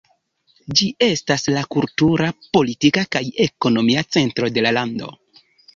Ĝi estas la kultura, politika kaj ekonomia centro de la lando.